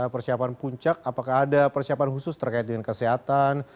persiapan puncak apakah ada persiapan khusus terkait dengan kesehatan